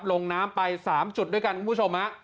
ลงน้ำไป๓จุดด้วยกันคุณผู้ชม